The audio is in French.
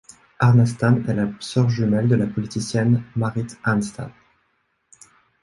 Arnastad est la sœur jumelle de la politicienne Marit Arnstad.